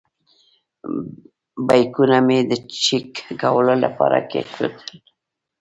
بیکونه مې د چېک کولو لپاره کېښودل.